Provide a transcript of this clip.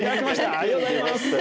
ありがとうございます！